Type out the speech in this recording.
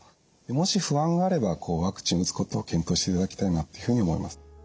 もし不安があればワクチン打つことを検討していただきたいなというふうに思います。